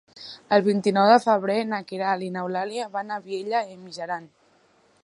El vint-i-nou de febrer na Queralt i n'Eulàlia van a Vielha e Mijaran.